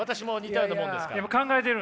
考えてるの？